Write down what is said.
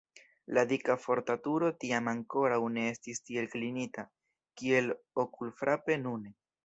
La dika forta turo tiam ankoraŭ ne estis tiel klinita, kiel okulfrape nune.